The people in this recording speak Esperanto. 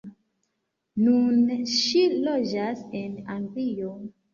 Nune ŝi loĝas en Anglio.